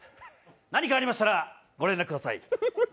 何かありましたらご連絡ください。